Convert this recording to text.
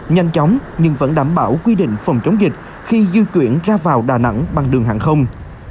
nhanh chóng nhưng vẫn đảm bảo quy định phòng chống dịch khi di chuyển ra vào đà nẵng bằng đường hàng không